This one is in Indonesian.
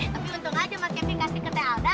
tapi untung aja mas keving kasih ke teh alda